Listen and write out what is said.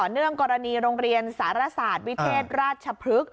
เนื่องกรณีโรงเรียนสารศาสตร์วิเทศราชพฤกษ์